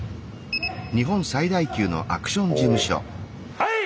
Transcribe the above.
はい！